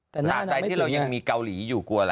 แต่หน้านั้นไม่ถึงนะหลักใจที่เรายังมีเกาหลีอยู่กลัวละ